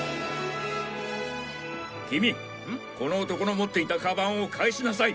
キミこの男の持っていたカバンを返しなさい。